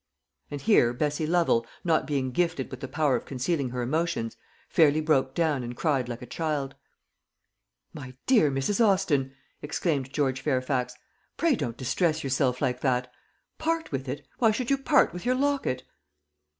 And here Bessie Lovel, not being gifted with the power of concealing her emotions, fairly broke down and cried like a child. "My dear Mrs. Austin," exclaimed George Fairfax, "pray don't distress yourself like that. Part with it? Why should you part with your locket?"